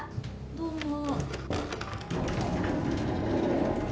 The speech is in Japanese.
どうも。